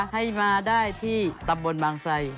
ให้มาได้ที่ตำบลบางไซ